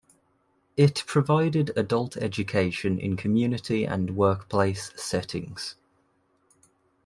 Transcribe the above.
It provided adult education in community and workplace settings.